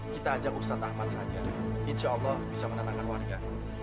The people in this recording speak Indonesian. kita ajak ustadz ahmad saja insya allah bisa menenangkan warga